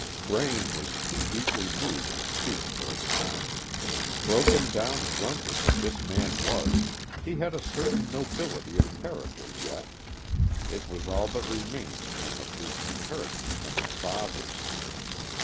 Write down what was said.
Braine was too deeply moved to speak for a time. Broken down drunkard that this man was, he had a certain nobility of character yet it was all that remained to him of his inheritance from his fathers.